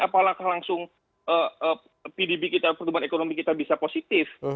apakah langsung pdb kita pertumbuhan ekonomi kita bisa positif